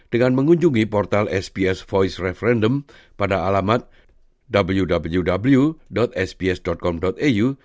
dengan mengunjungi portal sbs voice referendum pada alamat www sbs com au